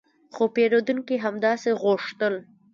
خو پیرودونکي همداسې غوښتل